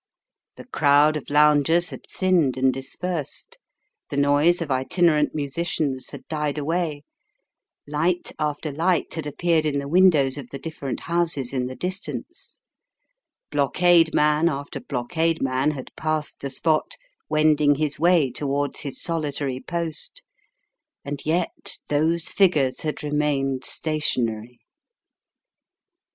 The crowd of loungers had thinned and dispersed ; the noise of itinerant musicians had died away; light after light had appeared in the windows of the different houses in the distance ; blockade man after blockade man had passed the spot, wending his way towards his solitary post ; and yet those figures had remained stationary.